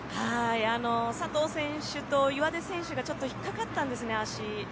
佐藤選手と岩出選手がちょっと引っかかったんですね